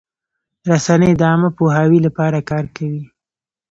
رسنۍ د عامه پوهاوي لپاره کار کوي.